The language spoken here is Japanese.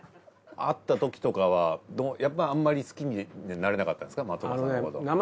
会ったときとかはやっぱりあんまり好きになれなかったんですか松岡さんのこと。